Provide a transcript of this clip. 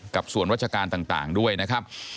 กับส่วนราชการต่างด้วยนะครับ